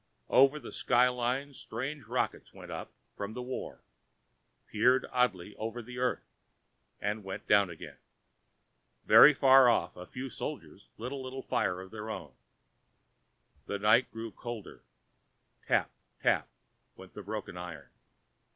Over the sky line strange rockets went up from the war, peered oddly over the earth and went down again. Very far off a few soldiers lit a little fire of their own. The night grew colder; tap, tap, went broken iron.